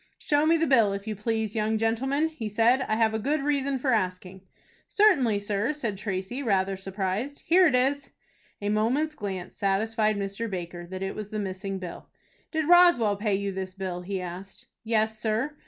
"Show me the bill, if you please, young gentleman," he said. "I have a good reason for asking." "Certainly, sir," said Tracy, rather surprised. "Here it is." A moment's glance satisfied Mr. Baker that it was the missing bill. "Did Roswell pay you this bill?" he asked. "Yes, sir."